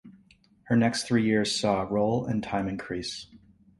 Her next three years saw her role and time increase.